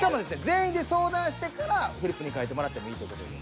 全員で相談してからフリップに書いてもらってもいいって事で。